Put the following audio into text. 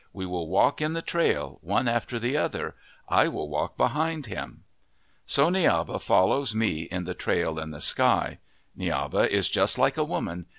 We will walk in the trail, one after the other. I will walk behind him." So Niaba follows Mi on the trail in the sky. Ni aba is just like a woman.